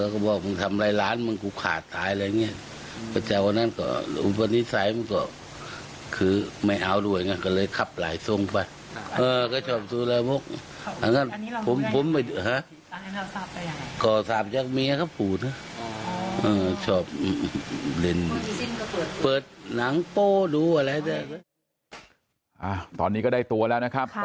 ก่อสาบยักษ์เมียเขาพูดนะ